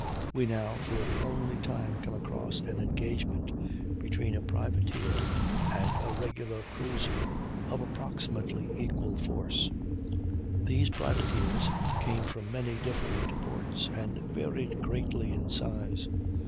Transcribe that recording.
We now, for the only time, come across an engagement between a privateer and a regular cruiser of approximately equal force. These privateers came from many different ports and varied greatly in size.